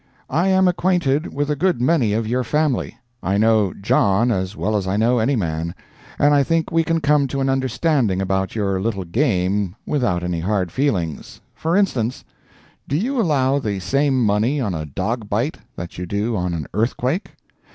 I am acquainted with a good many of your family—I know John as well as I know any man—and I think we can come to an understanding about your little game without any hard feelings. For instance: Do you allow the same money on a dog bite that you do on an earthquake?